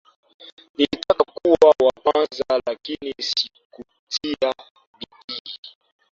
Nilitaka kuwa wa kwanza lakini si kutia bidii